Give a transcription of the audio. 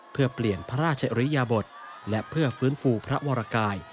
เพื่อเปลี่ยนพระราชอริยบทและเพื่อฟื้นฟูพระวรกาย